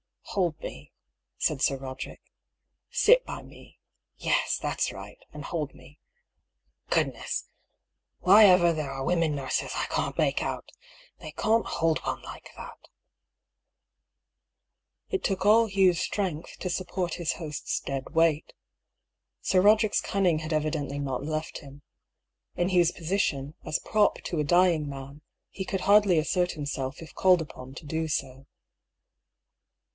" Hold me," said Sir Roderick. " Sit by me. Yes, that's right ; and hold me. Goodness ! why ever there are women nurses I can't make out ! They can't hold one like that !" It took all Hugh's strength to support his host's 98 DR. PAULL'S THEORY. dead weight. Sir Roderick's cunning had evidently not left him. In Hugh's position, as prop to a dying man, he could hardly assert himself if called upon to do so.